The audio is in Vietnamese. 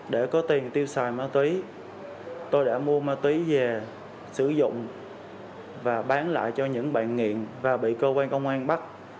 để có tiền tiêu xài ma túy tôi đã mua ma túy về sử dụng và bán lại cho những bạn nghiện và bị cơ quan công an bắt